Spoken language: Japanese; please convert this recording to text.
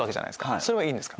それはいいんですか？